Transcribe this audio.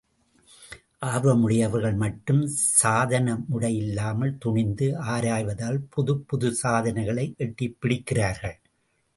ஆர்வமுடையவர்கள் மட்டும், சாதனமுடையில்லாமல், துணிந்து ஆராய்வதால் புதுப் புதுச் சாதனைகளை எட்டிப் பிடிக்கிறார்கள்.